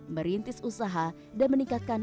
merintis usaha dan menikahkan